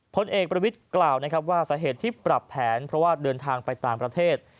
พลเอกประวิทย์กล่าวนะครับว่าสาเหตุที่ปรับแผนเพราะว่าเดินทางไปต่างประเทศ